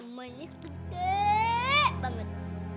mamanya kegek banget